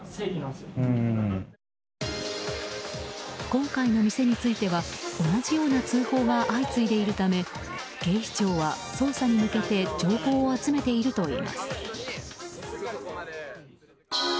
今回の店については同じような通報が相次いでいるため警視庁は捜査に向けて情報を集めているといいます。